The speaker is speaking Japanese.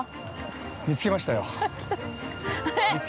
◆見つけましたよ。